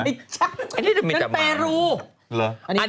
อันนี้ก็เก๋มาช่วยชีวิตผู้ป่วยเบาหวาน